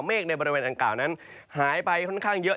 เมฆในบริเวณอังกฤษหายไปค่อนข้างเยอะ